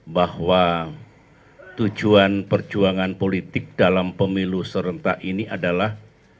bahwa tujuan perjuangan politik dalam pemilu serentak ini adalah